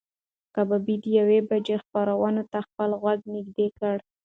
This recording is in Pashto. کبابي د یوې بجې خبرونو ته خپل غوږ نږدې کړ.